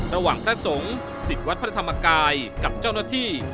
พระสงฆ์สิทธิ์วัดพระธรรมกายกับเจ้าหน้าที่